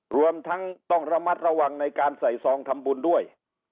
รวมทั้งต้องระมัดระวังในการใส่ซองทำบุญด้วย